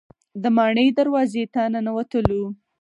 د ماڼۍ دروازې ته ننوتلو.